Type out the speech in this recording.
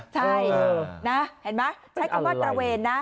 ใช่นะเห็นไหมใช้คำว่าตระเวนนะ